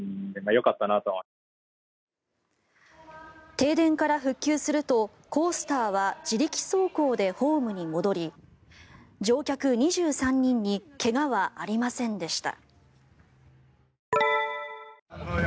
停電から復旧するとコースターは自力走行でホームに戻り乗客２３人に怪我はありませんでした。